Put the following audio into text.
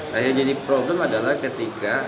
nah yang jadi problem adalah ketika